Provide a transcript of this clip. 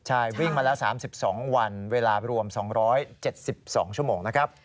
ใช่วิ่งมาแล้ว๓๒วันเวลารวม๒๗๒ชั่วโมงนะครับ